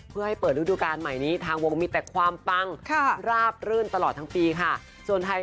เพื่อให้เปิดฤดูการใหม่นี้ทางวงมีแต่ความปังราบรื่นตลอดทั้งปีค่ะ